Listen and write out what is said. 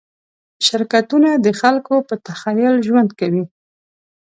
شرکتونه د خلکو په تخیل ژوند کوي.